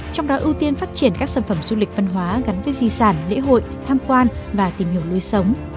trong đó ưu tiên phát triển các sản phẩm du lịch văn hóa gắn với di sản lễ hội tham quan và tìm hiểu lối sống